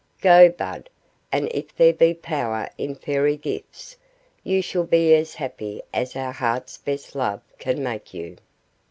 Go, Bud, and if there be power in Fairy gifts, you shall be as happy as our hearts' best love can make you."